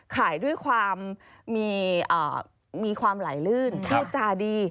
ขายด้วยความมีความไหลลื่นพูดจาดี